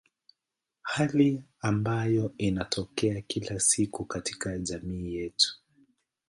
Hali ambayo inatokea kila siku katika jamii yetu.